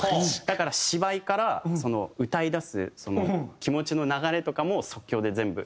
だから芝居から歌い出すその気持ちの流れとかも即興で全部。